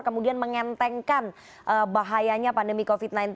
kemudian mengentengkan bahayanya pandemi covid sembilan belas